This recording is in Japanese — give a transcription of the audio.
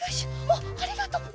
おっありがとう。